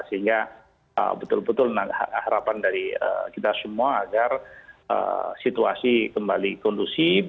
sehingga betul betul harapan dari kita semua agar situasi kembali kondusif